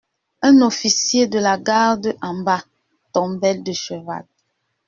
Un officier de la garde, en bas, tombait de cheval.